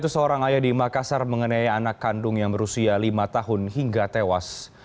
seorang ayah di makassar mengenai anak kandung yang berusia lima tahun hingga tewas